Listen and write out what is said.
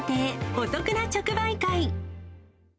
お得な直売会。